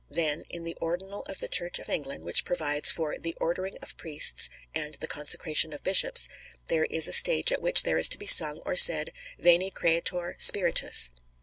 Then in the Ordinal of the Church of England, which provides for "the ordering of Priests" and "the consecration of Bishops," there is a stage at which there is to be sung or said, Veni, Creator Spiritus.